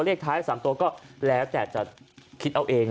เลขท้าย๓ตัวก็แล้วแต่จะคิดเอาเอง